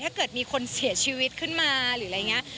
ถ้าเกิดมีคนเสียชีวิตขึ้นมาหรืออะไรอย่างนี้